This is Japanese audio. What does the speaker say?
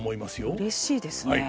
うれしいですね。